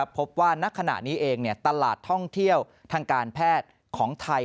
ณขณะนี้เองตลาดท่องเที่ยวทางการแพทย์ของไทย